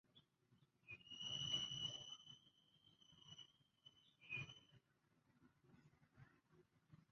Zaidi ya dola milioni ishirini na tisa